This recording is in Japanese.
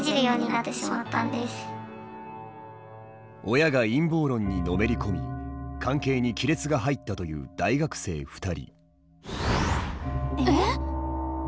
親が陰謀論にのめり込み関係に亀裂が入ったという大学生２人。